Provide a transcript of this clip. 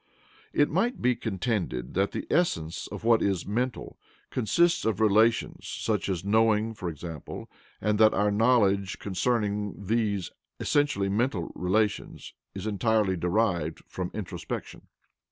It might be contended that the essence of what is "mental" consists of relations, such as knowing for example, and that our knowledge concerning these essentially mental relations is entirely derived from introspection.